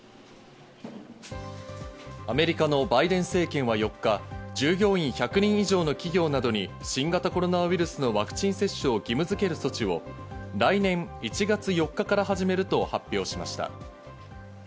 アメリカのバイデン政権は４日、従業員１００人以上の企業などに新型コロナウイルスのワクチン接種を義務づける措置を来年１月４日から始めると発表しました。